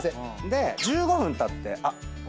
で１５分たってあっ！と思って。